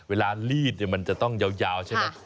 เวลารีดเนี่ยมันจะต้องยาวใช่ไหม